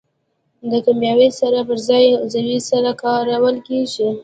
د کیمیاوي سرې پر ځای عضوي سره کارول کیږي.